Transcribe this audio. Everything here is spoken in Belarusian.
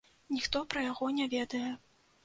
Ніхто пра яго не ведае.